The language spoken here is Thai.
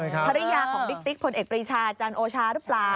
ภรรยาของบิ๊กติ๊กพลเอกปรีชาจันโอชาหรือเปล่า